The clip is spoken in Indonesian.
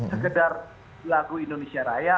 sekedar lagu indonesia raya